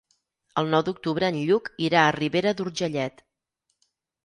El nou d'octubre en Lluc irà a Ribera d'Urgellet.